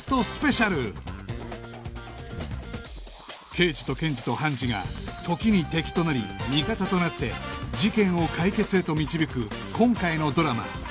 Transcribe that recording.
刑事と検事と判事が時に敵となり味方となって事件を解決へと導く今回のドラマ